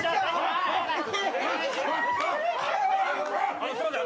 あのすいません。